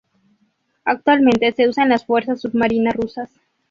Actualmente se usa en las fuerzas submarina Rusas.